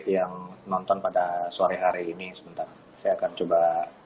yang nonton pada sore hari ini sebentar saya akan coba